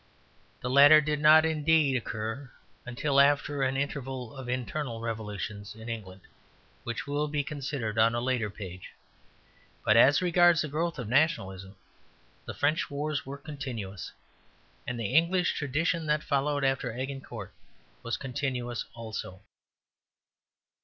The latter did not indeed occur until after an interval of internal revolutions in England, which will be considered on a later page; but as regards the growth of nationalism, the French wars were continuous. And the English tradition that followed after Agincourt was continuous also.